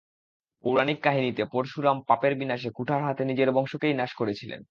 পৌরাণিক কাহিনিতে পরশুরাম পাপের বিনাশে কুঠার হাতে নিজের বংশকেই নাশ করেছিলেন।